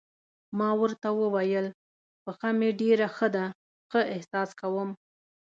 ما ورته وویل: پښه مې ډېره ښه ده، ښه احساس کوم.